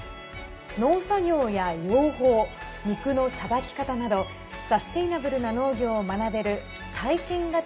農作業や養蜂、肉のさばき方などサステイナブルな農業を学べる体験型